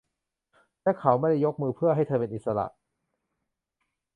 และเขาไม่ได้ยกมือเพื่อให้เธอเป็นอิสระ